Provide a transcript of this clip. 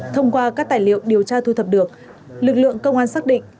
thông qua các tài liệu điều tra thu thập được lực lượng công an xác định